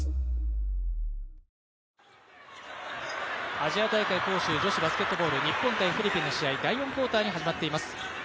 アジア大会杭州女子バスケットボール日本対フィリピンの試合、第４クオーターが始まっています。